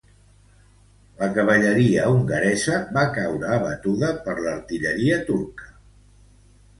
La cavalleria hongaresa va caure abatuda per l'artilleria turca hàbilment manejada.